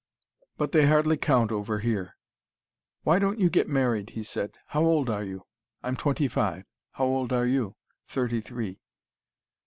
But they hardly count over here." "Why don't you get married?" he said. "How old are you?" "I'm twenty five. How old are you?" "Thirty three."